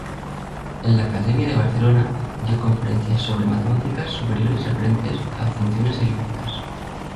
En la Academia de Barcelona dio conferencias sobra matemáticas superiores referentes a Funciones elípticas.